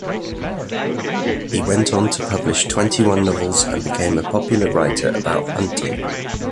He went on to publish twenty-one novels and became a popular writer about hunting.